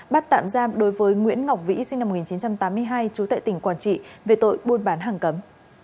bắt tạm giam đối với nguyễn ngọc vĩ sinh năm một nghìn chín trăm tám mươi hai chú tệ tỉnh quản trị về tội buôn bán hàng cấm